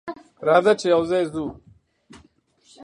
راځه چې یوځای ځو.